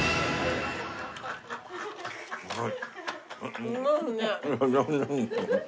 うまい。